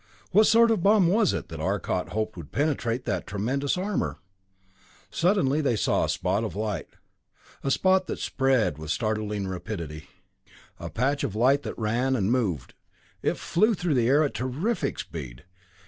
What sort of bomb was it that Arcot hoped would penetrate that tremendous armor? Suddenly they saw a great spot of light, a spot that spread with startling rapidity, a patch of light that ran, and moved. It flew through the air at terrific speed.